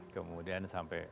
kemudian sampai puncak